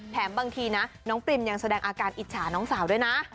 บางทีนะน้องปริมยังแสดงอาการอิจฉาน้องสาวด้วยนะ